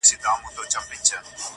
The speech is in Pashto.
شراب ترخه ترخو ته دي، و موږ ته خواږه,